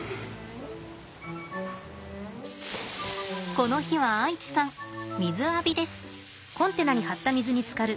この日はアイチさん水浴びです。